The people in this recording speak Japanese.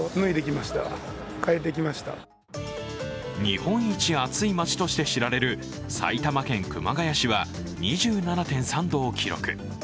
日本一暑い町として知られる埼玉県熊谷市は、２７．３度を記録。